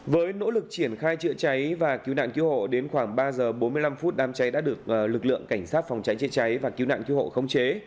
với nỗ lực triển khai chữa cháy và cứu nạn cứu hộ đến khoảng ba giờ bốn mươi năm phút đám cháy đã được lực lượng cảnh sát phòng cháy chữa cháy và cứu nạn cứu hộ khống chế